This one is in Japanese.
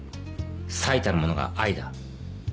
最たるものが愛だ。